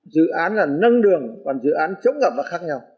dự án là nâng đường còn dự án chống ngập là khác nhau